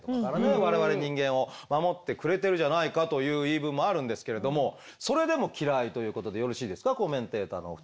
我々人間を守ってくれてるじゃないかという言い分もあるんですけれどもそれでも嫌いということでよろしいですかコメンテーターのお二人。